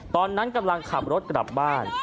ตอนนั้นกำลังขับรถกลับบ้าน